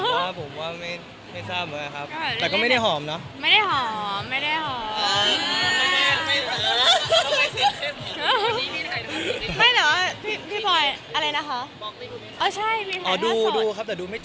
เหมือนมันมีชัดแบบว่าหูพี่โดยจะบอกแกมแด